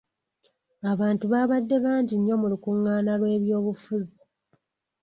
Abantu baabadde bangi nnyo mu lukungaana lw'eby'obufuzi.